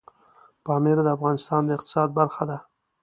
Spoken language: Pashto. پامیر د افغانستان د اقتصاد برخه ده.